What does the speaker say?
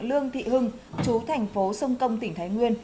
lương thị hưng chú thành phố sông công tỉnh thái nguyên